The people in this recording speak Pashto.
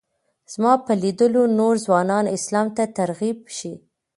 زما په لیدلو نور ځوانان اسلام ته ترغیب شي.